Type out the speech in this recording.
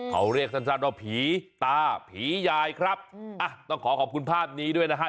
เขาเรียกสั้นว่าผีตาผียายครับอ่ะต้องขอขอบคุณภาพนี้ด้วยนะฮะ